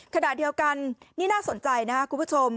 ขณะเดียวกันนี่น่าสนใจนะครับคุณผู้ชม